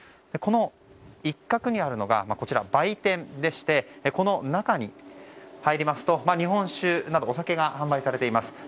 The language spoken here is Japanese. この一角にあるのが売店でしてこの中に入りますと、日本酒などお酒が販売されています。